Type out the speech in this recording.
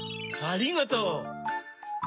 ありがとう。